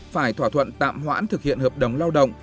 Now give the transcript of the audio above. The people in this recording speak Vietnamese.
phải thỏa thuận tạm hoãn thực hiện hợp đồng lao động